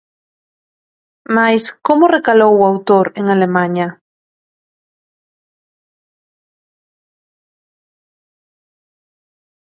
Mais como recalou o autor en Alemaña?